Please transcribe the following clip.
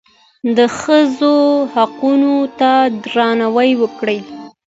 د ښځو حقوقو ته درناوی وکړئ